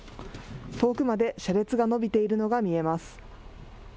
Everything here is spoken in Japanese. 遠くまで車列が延びているのが見えます。